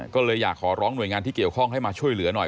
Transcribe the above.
ก็เลยอยากขอร้องหน่วยงานที่เกี่ยวข้องให้มาช่วยเหลือหน่อย